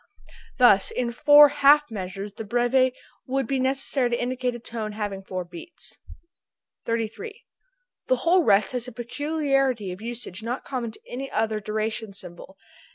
Thus in four half measure the breve would be necessary to indicate a tone having four beats. 33. The whole rest has a peculiarity of usage not common to any of the other duration symbols, viz.